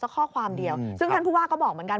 ข้อความเดียวซึ่งท่านผู้ว่าก็บอกเหมือนกัน